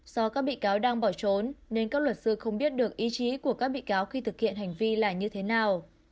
do các bị cáo đang bỏ trốn nên các luật sư không biết được ý chí của các bị cáo khi thực hiện hành vi là như thế nào